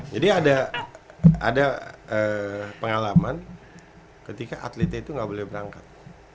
jadi ada pengalaman ketika atlet itu gak boleh berangkat